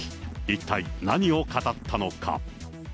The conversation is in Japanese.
一体何を語ったのか。